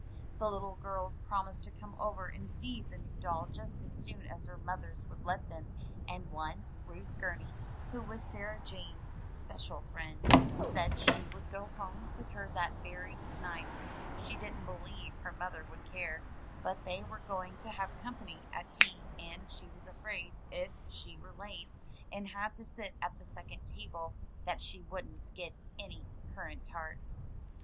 The little girls promised to come over and see the new doll just as soon as their mothers would let them, and one, Ruth Gumey, who was Sarah Jane's especial friend, said she would go home with her that very night — she didn't believe her mother would care — ^but they were going to have company at tea, and she was afraid if she were late, and had to sit at the second table, that she wouldn't get any currant tarts.